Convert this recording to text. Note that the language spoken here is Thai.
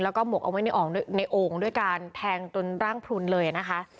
แล้วก็หมกเอาไว้ในโอ่งด้วยการแทงจนร่างพลุนเลยนะคะ